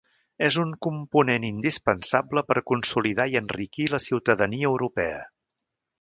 és un component indispensable per consolidar i enriquir la ciutadania europea